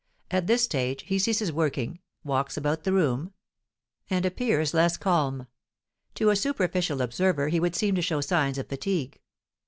At this stage he ceases working, walks about the room, and appears less calm; to a superficial observer he would seem to show signs of fatigue.